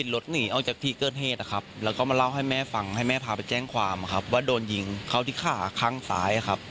และก็มาเล่าให้แม่ฟังให้พาไปแจ้งความว่าโดนหยิงเขาที่ฆ่าข้างซ้าย